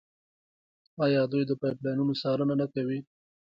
آیا دوی د پایپ لاینونو څارنه نه کوي؟